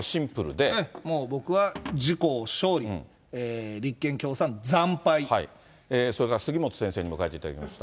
もう、僕は自公勝利、立憲・共産惨敗。それから杉村先生にも書いていただきました。